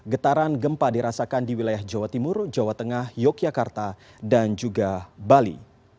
getaran gempa dirasakan di wilayah jawa timur jawa tengah yogyakarta dan juga bali